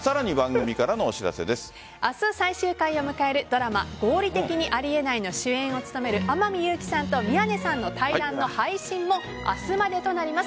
明日、最終回を迎えるドラマ「合理的にあり得ない」の主演を務める天海祐希さんと宮根さんとの対談の配信も明日までとなります。